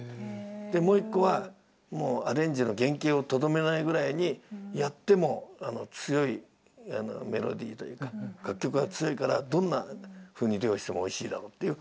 でもう一個はアレンジの原形をとどめないぐらいにやっても強いメロディーというか楽曲が強いからどんなふうに料理してもおいしいだろうっていう３種類。